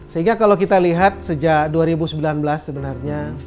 sehingga kalau kita lihat sejak dua ribu sembilan belas sebenarnya